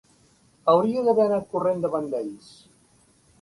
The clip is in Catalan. Hauria d'haver anat corrent davant d'ells.